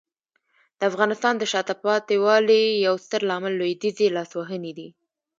د افغانستان د شاته پاتې والي یو ستر عامل لویدیځي لاسوهنې دي.